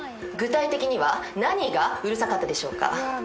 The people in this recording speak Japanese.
具体的には何がうるさかったでしょうか？